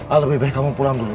ah lebih baik kamu pulang dulu